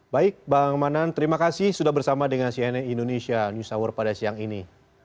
baik bang manan terima kasih sudah bersama dengan cnn indonesia news hour pada siang ini